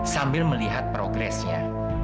sambil melihat progresnya